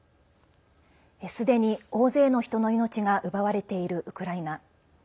すでに大勢の人の命が奪われているウクライナ。